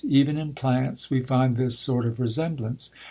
Even in plants, we find this sort of resemblance.